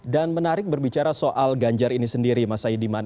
dan menarik berbicara soal ganjar ini sendiri mas saidiman